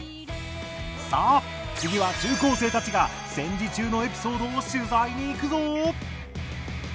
さあ次は中高生たちが戦時中のエピソードを取材に行くぞ！